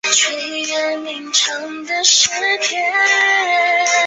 阿罕布拉谷是位于美国加利福尼亚州康特拉科斯塔县的一个人口普查指定地区。